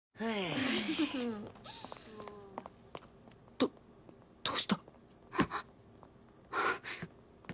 どどうした？